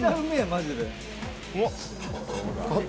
マジで。